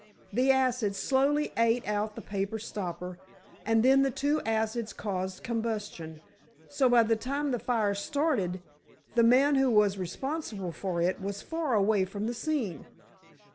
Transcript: The acid slowly ate out the paper stopper, and then the two acids caused combustion. So, by the time the fire started, the man who was responsible for it was far away from the scene."